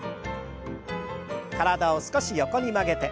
体を少し横に曲げて。